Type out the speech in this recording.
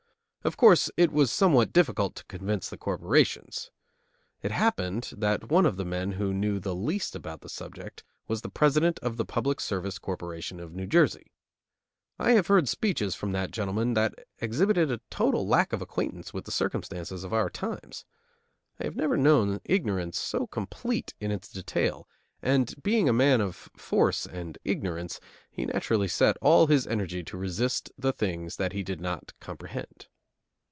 Of course it was somewhat difficult to convince the corporations. It happened that one of the men who knew the least about the subject was the president of the Public Service Corporation of New Jersey. I have heard speeches from that gentleman that exhibited a total lack of acquaintance with the circumstances of our times. I have never known ignorance so complete in its detail; and, being a man of force and ignorance, he naturally set all his energy to resist the things that he did not comprehend.